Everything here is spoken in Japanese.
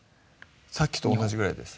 さっきと同じぐらいです